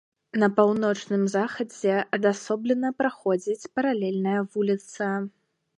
На паўночным захадзе адасоблена праходзіць паралельная вуліца.